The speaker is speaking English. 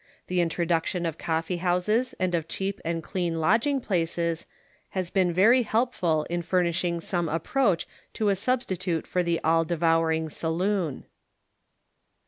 The introduc THE TEMPERANCE REFORM 415 tion of coffee houses and of cheap and clean lodging places has been very lielplul in furnishing some approach to a sub stitute for the all devouring saloon.